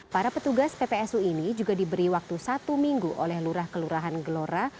para petugas ppsu ini juga diberi waktu satu minggu oleh lurah kelurahan gelora